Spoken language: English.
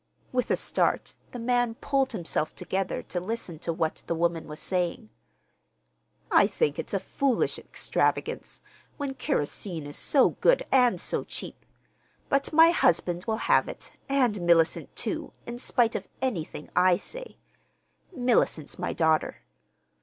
(With a start the man pulled himself together to listen to what the woman was saying.) "I think it's a foolish extravagance, when kerosene is so good and so cheap; but my husband will have it, and Mellicent, too, in spite of anything I say—Mellicent's my daughter.